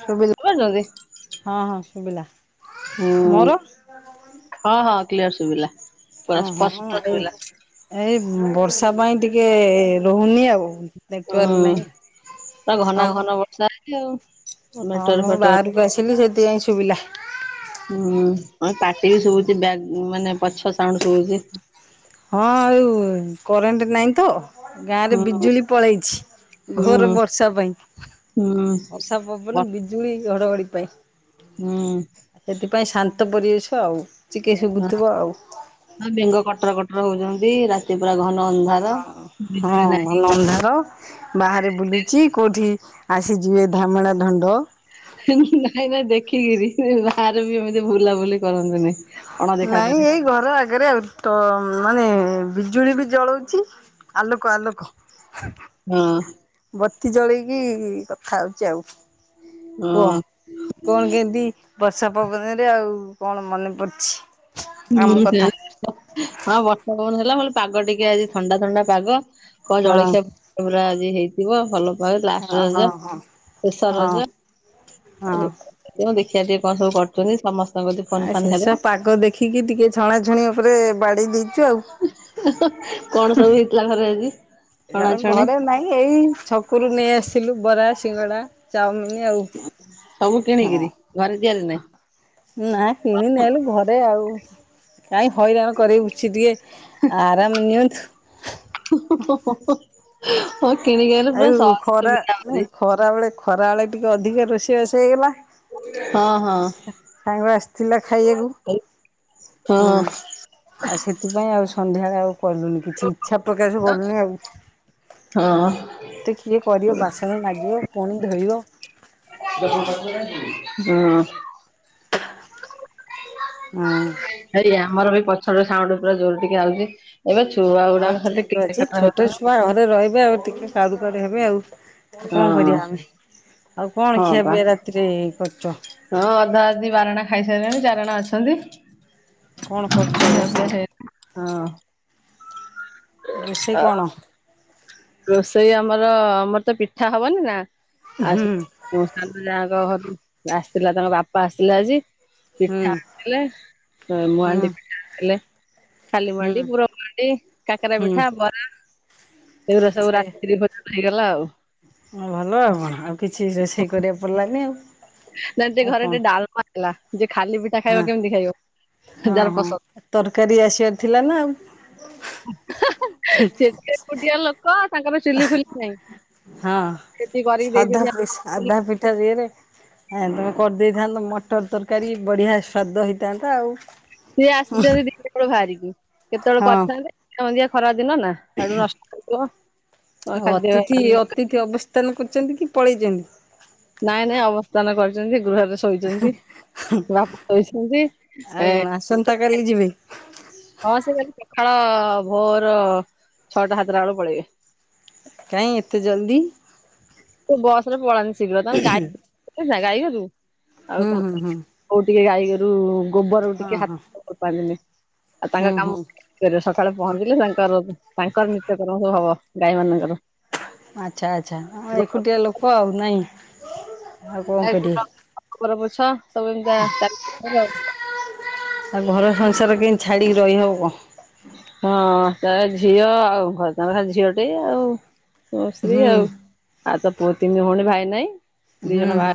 ଶୁବି ପାରୁଛନ୍ତି ହଁ ହଁ ଶୁଭିଲା, ହୁଁ ମୋର? ହଁ ହଁ କ୍ଲିୟର ସୁୁବିଲା। ଓ ହଁ ହଁ ଏ ଏଇ ବର୍ଷା ପାଇଁ ଟିକେ ରହୁନି ଆଉ। ନେଟୱାର୍କ ହଁ, ନାହିଁ। ପା ହଁ ଘନା ଘନ ବର୍ଷା ହେଇଚି ଆଉ। ହଁ ନେଟୱାର୍କ ମୁଁ ଫେଟୱାର୍କ ବାହାରକୁ ଆସିଲି ସେଥିପାଇଁ ଶୁଭିଲା। ହୁଁ ପାଟି ବି ଶୁବୁଛି ବ୍ୟା ମାନେ ପଛ ସାଉଣ୍ଡ ଶୁବୁଛି। ହଁ ଆଉ କରେଣ୍ଟ ନାଇଁ ତ। ଗାଁ ରେ ହୁଁ ବିଜୁଳି ପଳେଇଛି ଘୋର ବର୍ଷା ପାଇଁ। ଉଁ, ବର୍ଷା ପବନ ବ ବିଜୁଳି ଘଡଘଡି ପାଇଁ। ଉଁ। ସେଥିପାଇଁ ଶାନ୍ତ ପରିବେଶ ଆଉ ଟିକେ ଶୁଭୁଥିବ ଆଉ। ହଁ ବେଙ୍ଗ କଟର କଟର ହଉଛନ୍ତି ରାତି ପୁରା ଘନ ଅନ୍ଧାର ହଁ ବିଜୁଳି ନାହିଁ। ଭଲ ଅନ୍ଧାର ବାହାରେ ବୁଲୁଛି କୋଉଠି ଆସିଯିବେ ଧାମେଳା ଧଣ୍ଡ। ନାଇଁ ନାଇଁ ଦେଖିକିରି ବାହାରେ ବି ଏମିତି ବୁଲାବୁଲି କରନ୍ତୁ ନାଇଁ। ନାଇଁ ଏଇ ଘର ଆଗେରେ ଆଉ। ତ ମାନେ ବିଜୁଳି ବି ଜଳଉଛି ଆଲୋକ ଆଲୋକ। ହଁ। ବତି ଜଳେଇକି କଥା ହଉଛି ଆଉ କୁଅ। ହଁ କଣ କେମିତି ବର୍ଷା ପବନରେ ଆଉ କଣ ମନେ ପଡଛି? ହୁଁ ସେୟା। ହଁ ବର୍ଷା ପବନ ହେଲା ଭ ପାଗ ଟିକେ ଆଜି ଥଣ୍ଡା ଥଣ୍ଡା ପାଗ କଣ ହଁ ଜଳଖିଆ ପୁରା ଆଜି ହେଇଥିବ ଭଲ ଭ ଲାଷ୍ଟ ହଁ ରଜ ହଁ ହଁ ଶେଷ ହଁ ରଜ। ହଁ। ଥିବ ଦେଖିଆ ଟିକେ କଣ ସବୁ କରୁଛନ୍ତି ସମସ ଆ ଶେଷ ପାଗ ଦେଖିକି ଟିକେ ଛଣା ଛୁଣି ଉପରେ ବାଡେଇ ଦେଇ କଣ ସବୁ ହେଇଥିଲା ଘରେ ଆଜି? ଛଣାଛଣି ଘରେ ନାଇଁ ଏଇ ଛକରୁ ନେଇ ଆସିଥିଲୁ ବରା ସିଙ୍ଗଡା ଚାଓମିନ ଆଉ ସବୁ କିଣିକିରି ହଁ। ଘରେ ତିଆରି ନାହିଁ ନା କିଣି ନେଆଲୁ ଘରେ ଆଉ। କାଇଁ ହଇରାଣ କରିଛି ଟିକେ ଆରାମ ନିଅନ୍ତୁ। ଓ କିିଣିକି ଅଇଲେ [unintelligible] ଖରାବେେଳେ ଖରାବେେଳେ ଟିକେ ଅଧିକା ରୋଷେଇବାଷ ହେଇଗଲା। ହଁ ହଁ ସାଙ୍ଗ ଆସିଥିଲା ଖାଇବାକୁ ହଁ ହୁଁ। ଆଉ ସେଥିପାଇଁ ଆଉ ସନ୍ଧ୍ୟାରେ ଆଉ କଲୁନି କିଛି ଇଚ୍ଛା ପ୍ରକାଶ କଲୁନି ଆଉ। ହଁ। ଏତେ କିଏ କରିବ ବାସନ ମାଜିବ ପୁଣି ଧୋଇବ ହୁଁ। ହୁଁ। ଏଇ ଆମର ବି ପଛ ସାଉଣ୍ଡୁ ପୁରା ଜୋର ଟିକେ ଆଉଛି ଏବେ ଛୁଆ ହଁ ଗୁଡାକ ଠିକ୍ ଖାଲି ଟିକେ ଅଛି କଟ ଛୋଟ ହଉ ଛୁଆ ରହିବେ ଆଉ ଟିକେ କାରୁ କାରୁ ହେବେ ଆଉ। ଆଉ କଣ ହଁ କରିବା ଆମେ ଆଉ ହଁ କଣ ଖିଆ ପା ପିଆ ରାତିରେ କରୁଚ? ହଁ ଅଧା ଅଧି ବାରଣା ଖାଇସାରିଲେଣି ଚାରଣ ଅଛନ୍ତି। କଣ କରିଚ ଖିଆ ପିଆ ହେଇନି। ହଁ ରୋଷେଇ ରୋଷେଇ ଆଉ କଣ? ରୋଷେଇ ଆମର ଆମର ତ ପିଠା ହବନି ନା। ହୁଁ। ମୁଁ ସାନ ଯାଙ୍କ ଘରୁ ଆସିଥିଲା ତାଙ୍କ ବାପା ଆସିଥିଲା ଆଜି। ହୁଁ। ପିଠା ଆଣିଥିଲେ ହୁଁ ମୁହାଣ୍ଡି ପିଠା ଆଣିଥିଲେ। ଖାଲି ହୁଁ ମଣ୍ଡି ପୁର ମଣ୍ଡି କାକରା ହୁଁ ପିଠା ବରା ଏଗୁରା ସବୁ ରାତିରେ ଭୋଜନ ହେଇଗଲା ଆଉ। ହଁ ଭଲ ଆଉ କଣ ଆଉ କିଛି ରୋଷେଇ କରିବାକୁ ପଡିଲାନି ଆଉ। ନାଇ ଟିକେ ଆଉ ଘରେ କଣ ଟିକେ ଡାଲମା ହେଲା ଯେ ଖାଲି ପିଠା ହଁ ଖାଇବ କେମିତି ଖାଇବ ହଁ ଯାହାର ହଁ ପସନ୍ଦ? ତରକାରୀ ଆସିବାର ଥିଲା ନା ଆଉ। ସେତ ଏକୁଟିଆ ଲୋ କ ତାଙ୍କ ପାଇଁ ଚୁଲି ଫୁଲି ନାହିଁ ହଁ ସେତିି କରିକି ଦେଇଛନ୍ତି ତା ଦିଅ ରେ ଆ ତମେ କରିଦେଇଥାନ୍ତ ମଟର ତରକାରୀ ବଢିଆ ସ୍ଵାଦ ହେଇଥାନ୍ତା ଆଉ। ସିଏ ଆସିଛନ୍ତି ଦିପହର ବାହାରିକି କେତେବେଳେ ହଁ କରିଥାନ୍ତେ [inaudible] ଖରା ଦିନ ନା। ଆଡୁ ନଷ୍ଟ କରିବ ଆଉ ଖାଦ୍ୟ ଅତିଥି ଅତିଥି ଅବସ୍ଥାନ କରୁଛନ୍ତି କି ପଳେଇଛନ୍ତି? ନାଇଁ ନାଇଁ ଅବସ୍ଥାନ କରିଛନ୍ତି ଗୃହରେ ଶୋଇଛନ୍ତି। ବାପା କହିଛନ୍ତି ଆଉ ଏ କଣ ଆସନ୍ତା କାଲି [unintelligible] ଯିବେ ହଁ ସେ କାଲି ସକାଳ ଭୋର ଛଅଟା ସାତଟା ବେଳୁ ପଳେଇବେ। କାଇ ଏତେ ଜଲ୍ଦି? ବସ ରେ ପଳାନ୍ତି ଶୀଘ୍ର [unintelligible] ଗାଈଆଉ। ହୁଁ ହୁଁ ହୁଁ କଉ ଟିକେ ଗାଈଗୋରୁ ଗୋବର ହଁ ଟିକେ ହଁ ହାତ କରିପାରିଲନି ଆଉ ତାଙ୍କ ହୁଁ ହୁଁ କାମ ସକାଳେ ପହଞ୍ଚିଲେ ତାଙ୍କର ତାଙ୍କର ନିତ୍ୟକରମ ସବୁ ହବ ଗାଈ ମାନଙ୍କର। ଆଚ୍ଛା ଆଚ୍ଛା ଏକୁଟିଆ ଲୋକ ଆଉ ନାହିଁ। [unintelligible] ପୋଛା ସବୁ ଏମିତିଚାଳିଛି ତାର। ଆଉ ଘର ସଂସାର କେମିତି ଛାଡ଼ିକି ରହିହେବ? ହଁ ତାର ଝିଅ ଆଉ ଘର ତାଙ୍କ ପାଖ ଝିଅଟେ ଆଉ ସ୍ତ୍ରୀ ହୁଁ ଆଉ। ଆଉ ତ ପୁଅ ତିନି ଭଉଣୀ ଭାଇ ନାହିଁ ଦିଇ ହୁଁ ଜଣ ଭା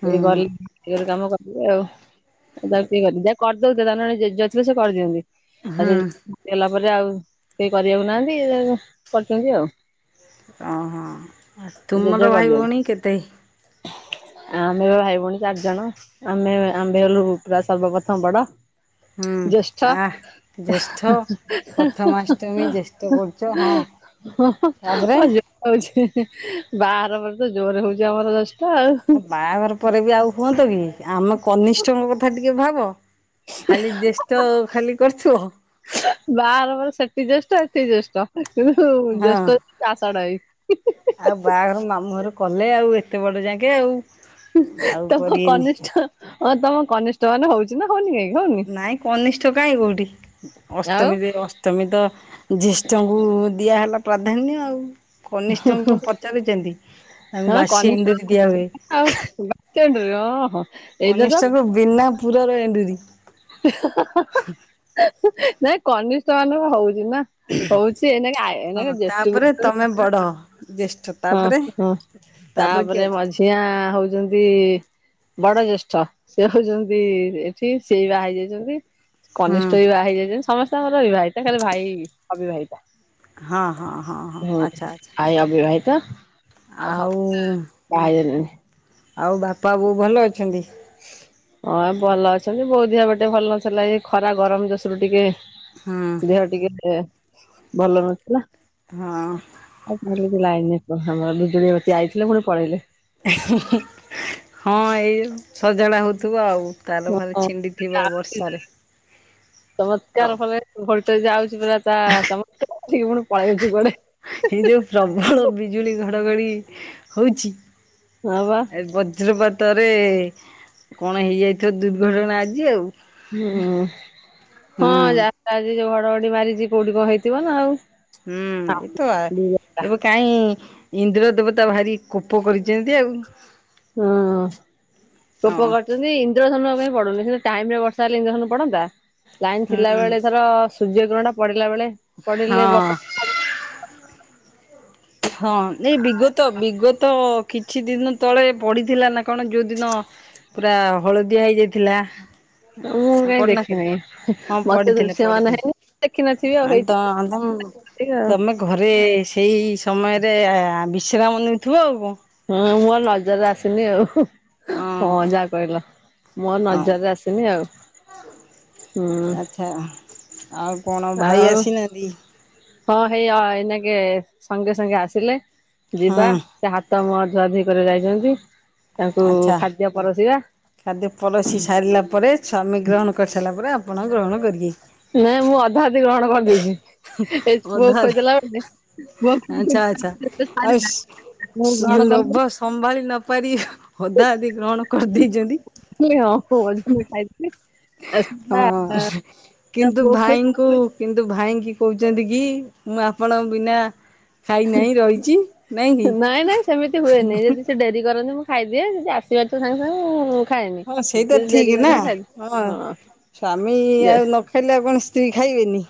ହୁଁ ଟ ଗ କାମ କରିବେ ଆଉ। [unintelligible] ତାକୁ କିଏ କରିନି ଯାହା କରିଦଉ ତାେ [unintelligible] ଯଥିଲେ ସେ କରିଦିଅନ୍ତି ହୁଁ ଆଉ ହୁଁ ସେ ଗଲା ପରେ ଆଉ କେହି କରିବାକୁ ନାହାନ୍ତି କରିଛନ୍ତି ଆଉ। ହଁ ହଁ ଜେଜେ ତୁମର ଭାଇ କରିଦିଅନ୍ତି ଭଉଣୀ କେତେ? ଆମେ ଭାଇ ଭଉଣୀ ଚାରିଜଣ ଆମେ ଆମ୍ଭେ ହେଲୁ ପୁରା ସର୍ବପ୍ରଥମ ବଡ। ହୁଁ ଜ୍ୟେଷ୍ଠ ଆ ଜ୍ୟେଷ୍ଠ ପ୍ରଥମାଷ୍ଟମୀ ଜ୍ୟେଷ୍ଠ [inaudible] କରୁଛ ହଁ [inaudible] ତାପରେ ହଉଛି ହିଁ-ହିଁ [unintelligible] ପରେ ତ ଜୋରେ ହଉଚି ଆମର [unintelligible] ଆଉ ହୁଁ। ବାହାଘର ପରେ ବି ଆଉ ହୁଅନ୍ତ କି ଆମ କନିଷ୍ଠଙ୍କ କଥା ଟିକେ ଭାବ। ଖାଲି ଜେଷ୍ଟ ଖାଲି କରୁଥିବ। ବାହାଘର ପରେ ସେଟି ଜଷ୍ଟ ଏଟି ଜଷ୍ଟ [unintelligible] ଜେଷ୍ଟ [unintelligible] ଆଉ ବାହାଘର ମାମୁଁ ଘର କଲେ ଆଉ ଏତେ ବଡ଼ ଯାଙ୍କେ ଆଉ। ଆଉ ତମ କରିବେନି କନିଷ୍ଠ ହଁ ତମ କନିଷ୍ଠ ମାନେ ହଉଛି ନା ହଉନି କାଇଁ। ନାଇଁ କନିଷ୍ଠ କାଇଁ କୋଉଟି, ଆଉ ଅଷ୍ଟମୀରେ ଅ ଷ୍ଟମୀ ତ ଜ୍ୟେଷ୍ଠଙ୍କୁ ଦିଆହେଲା ପ୍ରାଧାନ୍ୟ ଆଉ। କନିଷ୍ଠଙ୍କୁ କଣ ପଚାରୁଛନ୍ତି, ତାଙ୍କୁ ହଁ ବାସି କନିଷ୍ଠ ଏଣ୍ଡୁରି ଦିଆହୁଏ। ଆଉ [inaudible] ତ କନିଷ୍ଟଙ୍କୁ ବିନା ପୁର ରେ ଏଣ୍ଡୁରି। [unintelligible] ନାଇଁ କନିଷ୍ଠ ମାନଙ୍କର ହଉଚି ନା। ହଉଚି ଏଇନାକେ-ଏଇନାକେ ଜ୍ୟେଷ୍ଟୁକୁ ଆମେ ବଡ଼। [unintelligible] ହଁ-ହଁ ତାପରେ ମଝିଆଁ ହଉଚନ୍ତି ବଡ ଜ୍ୟେଷ୍ଠ, ସେ ହଉଚନ୍ତି ଏଠି ସେଇ ବାହା ହୋଇଯାଉଚନ୍ତି। ହୁଁ କନିଷ୍ଠ ବିି ବାହା ହେଇଯାଇଚନ୍ତି ସମସ୍ତେ ଆମର ବିବାହିତା ଖାଲି ଭାଇ ଅବିବାହିତା। ହଁ ହଁ ହଁ ହଁ ହୁଁ, ଆଚ୍ଛା ଆଚ୍ଛା ଭାଇ ଅବିବାହିତା। [inaudible] ବାହା ଆଉ ହୋଇଯାଇଚନ୍ତି। ଆଉ ବାପା ବୋଉ ଭଲ ଅଛନ୍ତି? ହଁ ଭଲ ଅଛନ୍ତି, ବୋଉ ଧିଅ ଏପଟେ ଟିକେ ଭଲ ନଥିଲା, ଏଇ ଖରା ଗରମ୍ ଦୋଷରୁୁ ଟିକେ ହୁଁ। ଦେହ ଟିକେ ଭଲ ନଥିଲା। ହଁ। ଆଉ [unintelligible] ଲାଇନ୍ [unintelligible] ଆମର ବିଜୁଳିବତି ଆଇଥିଲେ ପୁଣି ପଳେଇଲେ। ଏ-ହିଁ-ହିଁ ହଁ ଏଇ ଯୋଉ ସଜାଡ଼ା ହଉଥିବ ଆଉ। ତାର ଫାର ହଁ ଛିଣ୍ଡିଥିବ ବର୍ଷାରେ, ହଉ। ଭୋଲ୍ଟେଜ୍ ଯାଉଛି ପୁରା ତା [unintelligible] ପୁଣି [unintelligible] କୁଆଡେ। ଏଇ ଯୋଉ ପ୍ରବଳ ବିଜୁଳି ଘଡଘଡି ହଉଚି ହଁ ବା। ଏ ବଜ୍ରପାତରେ କଣ ହେଇଯାଇଥିବ ଦୁର୍ଘଟଣା ଆଜି ଆଉ। ହୁଁ-ହଁ ହୁଁ [unintelligible] ଯୋଉ ଘଡଘଡି ମାରିଚି, କୋଉଠି କଣ ହେଇଥିବ ନା ଆଉ। ହୁଁ ଏଇତ ଆ ଏବେ କାଇଁ ଇନ୍ଦ୍ର ଦେବତା ଭାରି କୋପ କରିଚନ୍ତି ଆଉ। ହୁଁ, କୋପ ହଁ। କର୍ ଚନ୍ତୀ ଇନ୍ଦ୍ରଧନୁ ଆଉ କାଇଁ ପଡୁନି ସେ ଟାଇମ୍ ରେ ବର୍ଷା ହେଲେ ଇନ୍ଦ୍ରଧନୁ ପଡନ୍ତା, ଲାଇନ୍ ହୁଁ ଥିଲାବେଳେ ଧର ସୂର୍ଯ୍ୟ ଗ୍ରହଣ ପଡିଲା ବେଳେ ପଡିଲେ ହଁ ବର୍ଷା ହଁ ଏଇ ବିଗତ-ବିଗତ କିଛି ଦିନ ତଳେ ପଡିଥିଲା ନା କଣ ଯୋଉଦିନ ପୁରା ହଳଦିଆ ହେଇଯାଇଥିଲା ମୁଁ କଣ କାଇଁ ପଢିନଥିଲେ? ଦେଖିନି ହଁ ମତେ ପଢିଥିଲେ ଦୃଶ୍ୟମାନ ହେଇନି ଦେଖିନଥିବି ଆଉ ପଢିଥିଲେ। ଆଁ ତ ହେଇଥିବ ଆଁତଂ ଆଉ ତମେ କେ ଘରେ ସେଇ ସମୟରେ ବିଶ୍ରାମ ନେଉଥିବ ଆଉ କଣ। ହଁ ମୋର ନଜର ଆସିନି ଆଉ। ହଁ ଯାହା କହିଲ ମୋ ହଁ ନଜରରେ ଆସିନି ଆଉ। ହୁଁ ଆଚ୍ଛା ଆଉ କଣ ଭାଇ ଆଉ ଆସିନାହାନ୍ତି? ହଁ ହେଇ ଆଇ ଏଇନାକେ ସଙ୍ଗେ ସଙ୍ଗେ ଆସିଲେ ଯିବା ହଁ ସେ ହାତ ମୁହଁଧୁଆ ଧୁଇଧୁଇ କରିବାକୁ ଯାଇଛନ୍ତି ତାଙ୍କୁ ଆଚ୍ଛା। ଖାଦ୍ୟ ପରସିବା ଖାଦ୍ୟ ପଳଶି ସାରିଲା ପରେ ସ୍ୱାମୀ ଗ୍ରହଣ କରିସାରିଲା ପରେ ଆପଣ ଗ୍ରହଣ କରିବେ। ନାଇଁ ମୁଁ ଅଧା ଅଧି ଗ୍ରହଣ କରିଦେଇଛି ଏ ପୁଅକୁ ଖୋଇଦେଲା ମାନେ ଆଛା ଆଚ୍ଛା ଅଇସ ମୁଁ ଗ୍ରହଣ ଲୋଭ କରିନଥିଲି ସମ୍ଭାଳି ନ ପାରି ଅଧା ଅଧି ଗ୍ରହଣ କରିଦେଇଛନ୍ତି? ଅ ହୋ ଅଜ ଖାଇ ହଁ [unintelligible] କିନ୍ତୁ ଭାଇଙ୍କୁ କିନ୍ତୁ ଭାଇଙ୍କି କହୁଛନ୍ତି କି ମୁଁ ଆପଣଙ୍କ ବିନା ଖାଇନାହିଁ ରହିଛି କି? ନାଇଁ ନାଇଁ ସେମିତି ହୁଏନି ଯଦି ସେ ଡେରି କରନ୍ତିି ମୁଁ ଖାଇଦି ଦିଏ ସେ ଆସିବାର ତ ସାଙ୍ଗେ ସାଙ୍ଗେ ଆଉ ହଁ ସେଇ ତ ଠିକ ନା ହଁ ସ୍ଵାମୀ ଆଉ ନଖାଇ ଖାଇଲେ ଆଉକଣ ସ୍ତ୍ରୀ ଖାଇବେନି।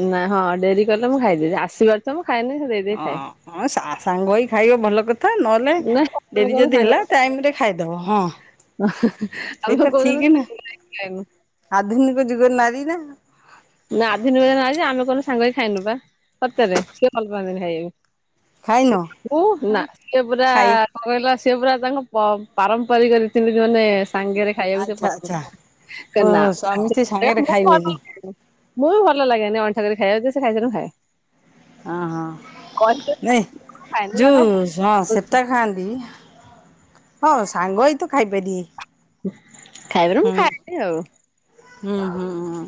ନାଇଁ ହଁ ଡେରି କଲେ ମୁଁ ଖାଇଦେବି ଆସିବାର ତ ମୁଁ ଖାଏନି ଦେଇଦେଇ ଖାଏ। ହଁ ହଁ ସା ସାଙ୍ଗ ହେଇ ଖାଇବ ଭଲ କଥା ନହେଲେ ନା ଆମେ ଡେରି ଯଦି ହେଲା ଟାଇମ ରେ ଖାଇଦବ ହଁ। ହ ଆମେ ସେଇଟା ଠିକ କଉଦିନ ନା ଟାଇମରେ ଖାଇନୁୁ। ଆଧୁନିକ ଯୁଗରେ ନାରୀ ନା। ନା ଆଧୁନିକ ଯୁଗ ନାରୀନା ଆମେ କଉ ଦିନ ସାଙ୍ଗହେଇକି ଖାଇନୁବା ସତରେ ସିଏ ଭଲ ପାଆନ୍ତିିନି ଖାଇିବାକୁ। ଖାଇନ ମୁଁ ସେ ନାଁ ପୁରା ଆ ଖାଇ କଣ କହିଲ ସିଏ ପୁରା ତାଙ୍କ ପ ପାରମ୍ପରିକ ରୀତିନୀତି ମାନେ ସାଙ୍ଗରେ ଖାଇବାକୁ ସେ ଆଚ୍ଛା ଆଚ୍ଛା ଓ ପସନ୍ଦ- ସ୍ୱାମୀ ସ୍ତ୍ରୀ ସାଙ୍ଗରେ [inaudible] ଖାଇବେନି ମୁଁ ବି ଭଲ ଲାଗେନି ଅଇଁଠା କରି ଖାଇବାକୁ ସେ ଖାଇସାଇଲେ ମୁଁ ଖାଏ। ଓ ହଁ କହିଲେ ନାଇ ମୁଁ ଖାଏନି ଯୋଉ ତାଙ୍କ ହଁ ସେଟା ଖାଆନ୍ତି ହଁ ସାଙ୍ଗ ଏ ତୁ ଖାଇପାରିବି ଖାଇବାରୁ ମୁଁ ଖାଇବି ଆଉ ହୁଁ ହୁଁ ହୁଁ।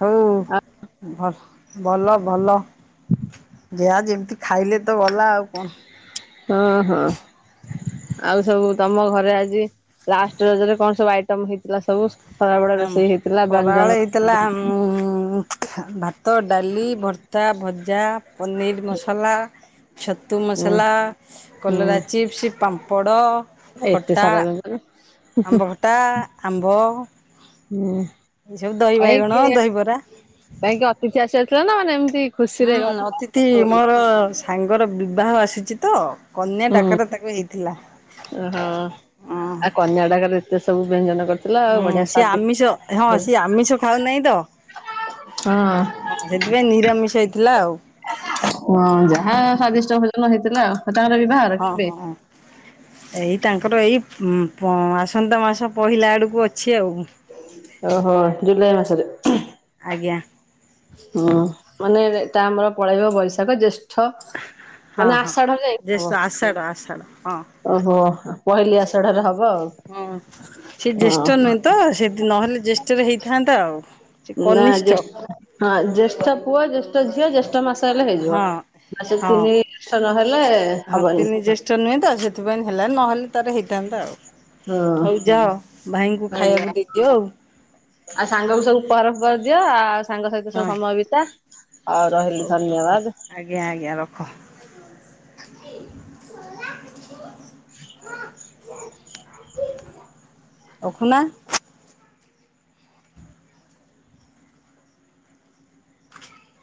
ହଉ ଭ ଭଲ ଭଲ। [inaudible] ପିଆଜ ଏମିତି ଖାଇଲେ ତ ଗଲା ଆଉ କଣ ହଁ ହଁ। ଆଉ ସବୁ ତମ ଘରେ ଆଜି ଲାଷ୍ଟ ରଜରେ କଣ ସବୁ ଆଇଟମ ହେଇଥିଲା ସବୁ ସରାବେଳେ ରୋଷେଇ ହେଇଥିଲା ବ୍ୟଞ୍ଜନ ହୁଁ ହୁଁ ଭାତ ଡାଲି ଭର୍ତ୍ତା ଭଜା ପନିର ମସଲା ଛତୁ ହୁଁ ମସଲା କଲରା ହୁଁ ଚିପ୍ସ ପାମ୍ପଡ଼ ଏତେ ଖଟା [inaudible] ଆମ୍ବଖଟା ଆମ୍ଭ [inaudible] ଏଇ ସବୁ ଦହି ବାଇଗଣ ଦହିବରା। କାଁଇକି ଅତିଥି ଆସି ଆସିଥିଲା ନା, ମାନେ ଏମିତି ହୁଁ, ଖୁସିରେ ଘର ଅତିଥି ବୋଲି ମୋର, ସାଙ୍ଗର ବିବାହ ଆସିଚି ତ। କନ୍ୟା ଡାକରା ତାକୁ ହେଇଥିଲା। ଓହଁ, ଆ କନ୍ୟା ଡାକରେ, ଏତେ ସବୁ ବ୍ୟଞ୍ଜନ କରି ହୁଁ, ସିଏ ଆମିଷ, ହଁ ସିଏ ଆମିଷ ଖାଉ ନାହିଁ ତ? ହଁ ଅ। ହଁ, ସେଥିପାଇଁ ନିରାମିଷ ହେଇଥିଲା ଆଉ। ହଁ, ଯାହା ସ୍ଵାଦିଷ୍ଟ ଭୋଜନ ହେଇଥିଲା ଆ ହଁ ହଁ। ଏଇ ତାଙ୍କର ଏଇ, ଆସନ୍ତା ମାସ ପହିଲା ଆଡ଼କୁ ଅଛି ଆଉ। ଓହୋ, ଜୁଲାଇ ମାସରେ? ଆଜ୍ଞା। ହୁଁ, ମାନେ ତା ଆମର ପଳେଇବ ବୈଶାଖ ଜେଷ୍ଠ ଠ, ହଁ ମାନେ ହଁ। ଆଷାଢରେ ଯାଇକି ଜ୍ୟେଷ୍ଠ ହବ? ଆଷାଢ଼ ଆଷାଢ଼ ହଁ ଓହୋ, ପହିଲି ଆଷାଢ ରେ ହବ ଆଉ, ହଁ ସେ ହ। ଜ୍ୟେଷ୍ଠ ନୁହେଁ ତ, ସେଠି ନହେଲେ, ଜେଷ୍ଟରେ ହେଇଥାନ୍ତା ଆଉ। ସେ ନା କନିଷ୍ଠ ଜେ ହଁ, ଜ୍ୟେଷ୍ଠ ପୁଅ, ଜ୍ୟେଷ୍ଠ ଝିଅ, ଜ୍ୟେଷ୍ଠ ମାସ ହେଲେ ହେଇଯିବ, ହଁ ସେ ହଁ। ତିନି ଜେଷ୍ଟ ନହେଲେ ହଁ ହବନି। ତିନି ଜ୍ୟେଷ୍ଠ ନୁହେଁ ତ, ସେଥିପାଇଁ ହେଲା, ନହେଲେ ରେ ହେଇଥାନ୍ତା ଆଉ, ହଁ ହଉ ଯାଅ, ଭାଇଙ୍କୁ ଆଜ୍ଞା। ଖାଇବାକୁ ଦେଇଦିଅ ଆଉ। ଆଉ ସାଙ୍ଗ ବି ସବୁ ପରହରଫର ଦିଅ ଆଉ, ସାଙ୍ଗ ସହିତ ସବୁ ହଁ ସମୟ ବିତା ଆଉ ରହିଲି ହଉ ରଖ। ଧନ୍ୟବାଦ। ଆଜ୍ଞା ଆଜ୍ଞା ରଖ। ରଖୁନା।